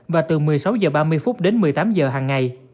và từ một mươi sáu h ba mươi đến một mươi tám h hàng ngày